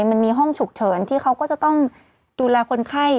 มันมีห้องฉุกเฉินที่เขาก็จะต้องดูแลคนไข้